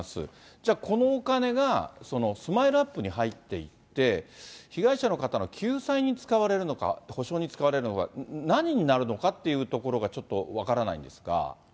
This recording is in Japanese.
じゃあ、このお金がＳＭＩＬＥーＵＰ．に入っていって、被害者の方の救済に使われるのか、補償に使われるのか、何になるのかっていうのがちょっと分からないんですが。